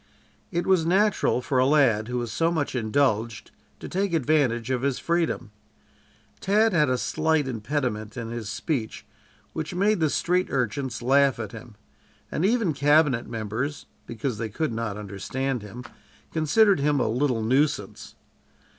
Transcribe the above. It was natural for a lad who was so much indulged to take advantage of his freedom. Tad had a slight impediment in his speech which made the street urchins laugh at him, and even cabinet members, because they could not understand him, considered him a little nuisance.